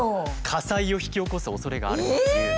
火災を引き起こすおそれがあるっていう。